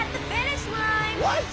よし！